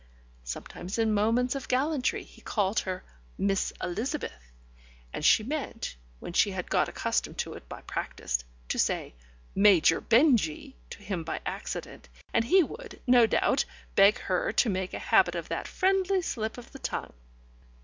Sometimes in moments of gallantry he called her "Miss Elizabeth", and she meant, when she had got accustomed to it by practice, to say "Major Benjy" to him by accident, and he would, no doubt, beg her to make a habit of that friendly slip of the tongue.